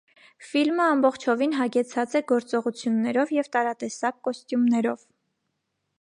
Ֆիլմը ամբողջովին հագեցած է գործողություններով և տարատեսակ կոստյումներով։